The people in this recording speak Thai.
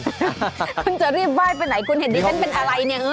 คุณจะรีบไหว้ไปไหนคุณเห็นดิฉันเป็นอะไรเนี่ย